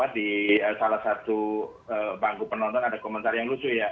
di salah satu bangku penonton ada komentar yang lucu ya